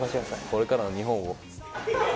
これからの日本を。